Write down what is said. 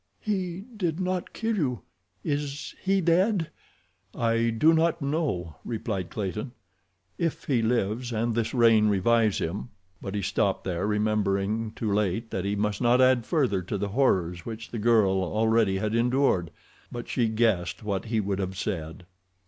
"He did not kill you. Is he dead?" "I do not know," replied Clayton. "If he lives and this rain revives him—" But he stopped there, remembering too late that he must not add further to the horrors which the girl already had endured. But she guessed what he would have said.